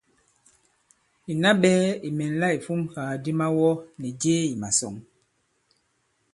Ìna ɓɛɛ̄ ì mɛ̀nla ìfumkàgàdi mawɔ nì jee ì màsɔ̌ŋ.